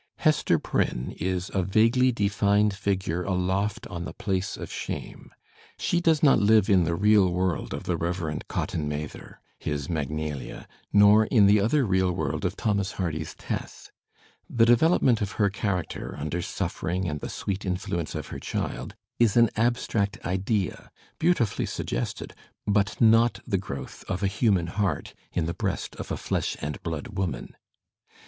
Hester Prynne is a "vaguely defined figure aloft on the place of shame." She does not live in the real world of the Rev. Cotton Mather, his "Magnalia," nor in the other real world of Thomas Hardy's Tess.'* The development of her char acter, under suflfering and the sweet influence of her child, is an abstract idea, beautifully suggested, but not the growth of a human heart in the breast of a flesh and blood woman.